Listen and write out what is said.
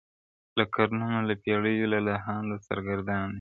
• له قرنونو له پېړیو لا لهانده سرګردان دی -